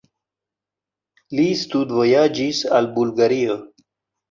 Li studvojaĝis al Bulgario.